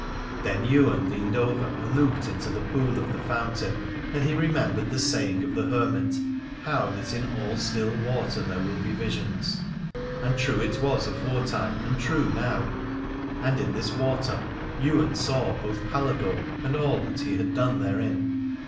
Then Ywain leaned over and looked into the pool of the fountain, and he remembered the saying of the hermit, how that in all still water there will be visions. And true it was aforetime and true now : and in this water Ywain saw both Paladore and all that he had done therein.